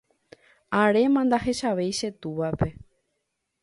aréma ndahechavéi che túvape.